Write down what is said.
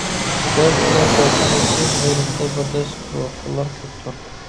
دەرت ئەلەم كەلسىمۇ ئۆز غەيرىتدە بەرداشلىق بىرۋاتقانلار كۆپتۇر